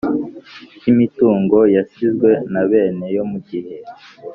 Cy imitungo yasizwe na bene yo mu gihe